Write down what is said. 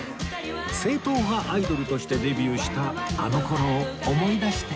正統派アイドルとしてデビューしたあの頃を思い出して！